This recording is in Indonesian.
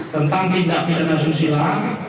tentang tindak tindakan susila